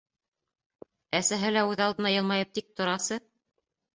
Әсәһе лә үҙ алдына йылмайып тик торасы.